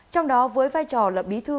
trong đó với vai trò lập bí thư